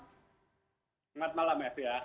selamat malam f